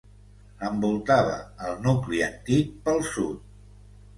Envoltava el nucli antic pel sud.